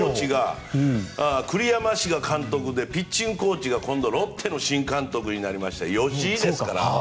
栗山氏が監督でピッチングコーチがロッテの新監督になった吉井ですから。